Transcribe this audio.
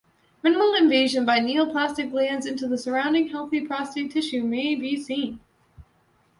Minimal invasion by neoplastic glands into the surrounding healthy prostate tissue may be seen.